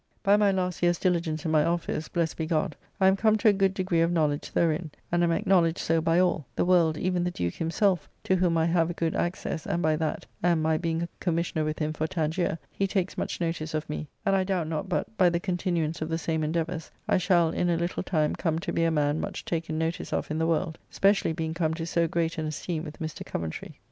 By my last year's diligence in my office, blessed be God! I am come to a good degree of knowledge therein; and am acknowledged so by all the world, even the Duke himself, to whom I have a good access and by that, and my being Commissioner with him for Tangier, he takes much notice of me; and I doubt not but, by the continuance of the same endeavours, I shall in a little time come to be a man much taken notice of in the world, specially being come to so great an esteem with Mr. Coventry.